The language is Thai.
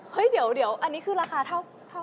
เฮ้ยเดี๋ยวอันนี้คือราคาเท่า